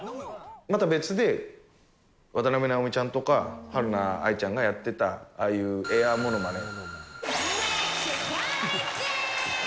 また別で、渡辺直美ちゃんとかはるな愛ちゃんがやってた、ああいうエアものまね。